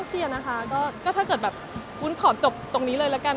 เคลียร์นะคะก็ถ้าเกิดแบบวุ้นขอจบตรงนี้เลยละกัน